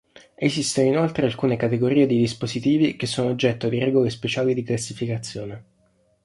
Esistono inoltre alcune categorie di dispositivi che sono oggetto di regole speciali di classificazione.